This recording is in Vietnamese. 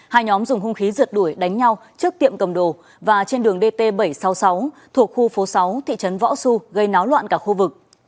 hai nhóm dùng hung khí rượt đuổi đánh nhau trước tiệm cầm đồ và trên đường dt bảy trăm sáu mươi sáu thuộc khu phố sáu thị trấn võ xu gây náo loạn cả khu vực